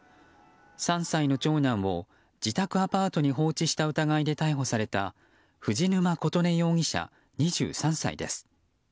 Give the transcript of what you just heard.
３歳の長男を自宅アパートに放置した疑いで逮捕された藤沼琴音容疑者、２３歳です。